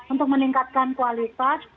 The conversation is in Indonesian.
untuk meningkatkan kualitas